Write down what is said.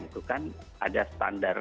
itu kan ada standar